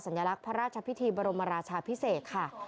ลักษณ์พระราชพิธีบรมราชาพิเศษค่ะ